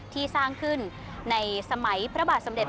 สร้างขึ้นในสมัยพระบาทสมเด็จ